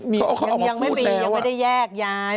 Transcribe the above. เขายังไม่ไปยังไม่ได้แยกย้าย